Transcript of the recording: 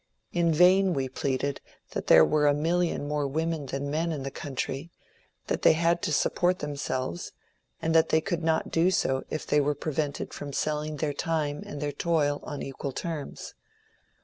In vain we pleaded that there were a million more women than men in the country, that they had to support themselves, and that they could not do so if they were pre LORD DERBY AND DISRAELI 77 vented from selling their time and their toil on equal terms.